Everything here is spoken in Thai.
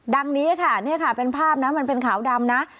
ดังนี้ค่ะนี่ค่ะเป็นภาพนะมันเป็นขาวดำนะ